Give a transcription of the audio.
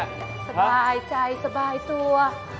สบายใจสบายตัว